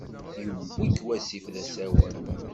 Iwwi-k wasif d asawen.